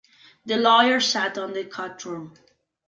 The lawyer sat in the courtroom.